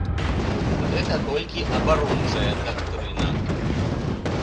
Гэта толькі абарончая дактрына.